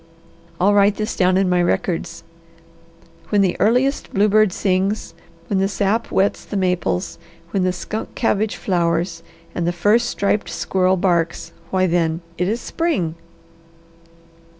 I'll write this down in my records 'When the earliest bluebird sings, when the sap wets the maples, when the skunk cabbage flowers, and the first striped squirrel barks, why then, it is spring!'"